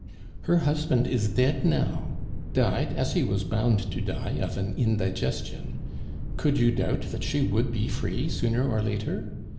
"Her husband is dead now; died, as he was bound to die, of an indigestion; could you doubt that she would be free sooner or later?